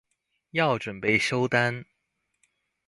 要準備收單